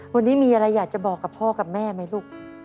วันนี้มีอะไรอยากจะบอกกับพ่อกับแม่ไหมลูก